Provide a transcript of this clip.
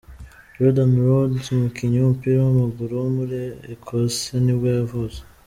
Jordan Rhodes, umukinnyi w’umupira w’amaguru wo muri Ecosse nibwo yavutse.